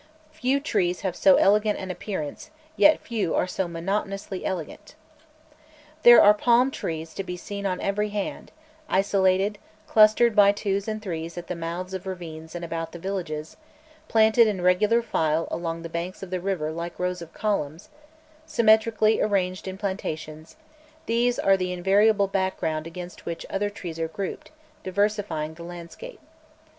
Few trees have so elegant an appearance, yet few are so monotonously elegant. There are palm trees to be seen on every hand; isolated, clustered by twos and threes at the mouths of ravines and about the villages, planted in regular file along the banks of the river like rows of columns, symmetrically arranged in plantations, these are the invariable background against which other trees are grouped, diversifying the landscape.